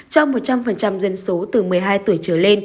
cho một trăm linh dân số từ một mươi hai tuổi